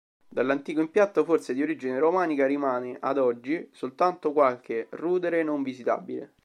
Dell'antico impianto, forse di origine romanica, rimane ad oggi soltanto qualche rudere non visitabile.